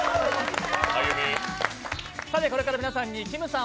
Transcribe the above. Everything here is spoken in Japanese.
これから皆さんにきうさん